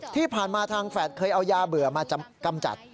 ที่ผ่านมาทางแฝดเคยเอายาเบื่อมากำจัด